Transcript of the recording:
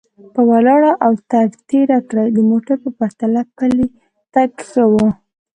په ولاړه او تګ تېره کړه، د موټر په پرتله پلی تګ ښه و.